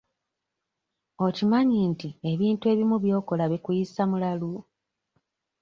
Okimanyi nti ebintu ebimu by'okola bikuyisa mulalu?